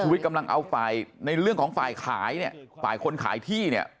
วิทย์กำลังเอาฝ่ายในเรื่องของฝ่ายขายเนี่ยฝ่ายคนขายที่เนี่ย